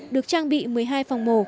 được trang bị một mươi hai phòng một